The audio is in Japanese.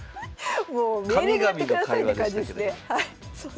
もうメールでやってくださいって感じですね。